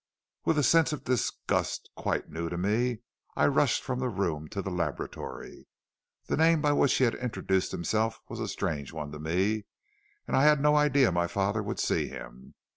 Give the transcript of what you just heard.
"With a sense of disgust quite new to me, I rushed from the room to the laboratory. The name by which he had introduced himself was a strange one to me, and I had no idea my father would see him.